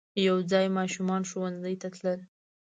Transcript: یو ځای ماشومان ښوونځی ته تلل.